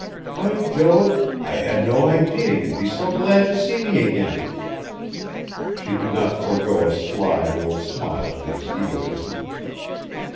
By Jove, I had no idea you'd be so glad to see me again." She could not forego a sly little smile at his egoism.